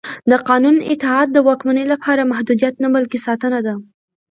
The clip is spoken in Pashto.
د قانون اطاعت د واکمنۍ لپاره محدودیت نه بلکې ساتنه ده